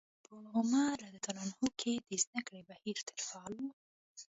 په عمر رض کې د زدکړې بهير تل فعال و.